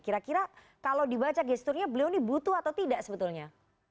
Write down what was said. kira kira kalau dibaca gesturnya beliau ini butuh atau tidak sebetulnya